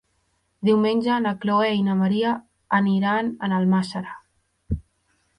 Diumenge na Chloé i na Maria aniran a Almàssera.